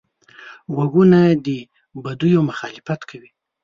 غوږونه د بدیو مخالفت کوي